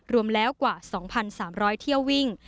รวมแล้วกว่า๒๓๐๐เที่ยววิ่ง